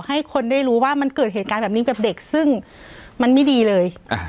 ให้คนได้รู้ว่ามันเกิดเหตุการณ์แบบนี้กับเด็กซึ่งมันไม่ดีเลย